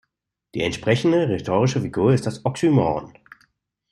Die entsprechende rhetorische Figur ist das Oxymoron.